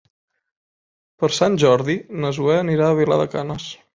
Per Sant Jordi na Zoè anirà a Vilar de Canes.